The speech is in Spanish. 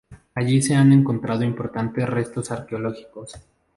Allí se han encontrado importantes restos arqueológicos.